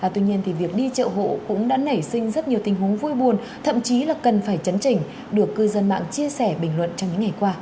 tuy nhiên thì việc đi chợ hộ cũng đã nảy sinh rất nhiều tình huống vui buồn thậm chí là cần phải chấn chỉnh được cư dân mạng chia sẻ bình luận trong những ngày qua